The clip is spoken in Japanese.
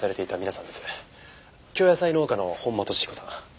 京野菜農家の本間俊彦さん。